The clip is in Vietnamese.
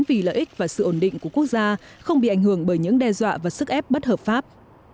vì lợi ích và sự ổn định của quốc gia không bị ảnh hưởng bởi những đe dọa và sức ép bất hợp pháp